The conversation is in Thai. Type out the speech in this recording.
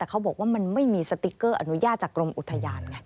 เขาบอกว่ามันไม่มีสติ๊กเกอร์อนุญาตจากกรมอุทยานไง